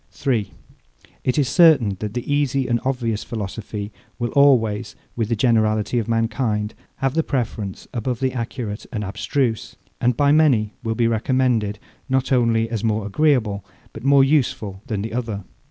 3. It is certain that the easy and obvious philosophy will always, with the generality of mankind, have the preference above the accurate and abstruse; and by many will be recommended, not only as more agreeable, but more useful than the other.